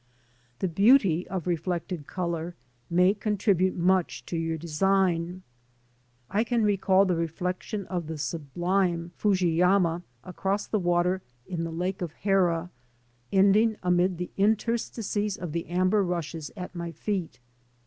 The beauty of reflected colour may contribute much to your design. I can recall the reflection of the sublime Fuji yama across the water in the Lake of Hara, ending amid the interstices of the amber rushes at my feet.